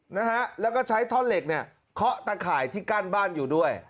นะฮะแล้วก็ใช้ท่อนเหล็กเนี่ยเคาะตะข่ายที่กั้นบ้านอยู่ด้วย